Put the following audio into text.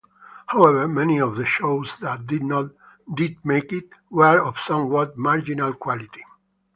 However, many of the shows that did make it were of somewhat marginal quality.